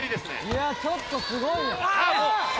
いやちょっとすごいよ。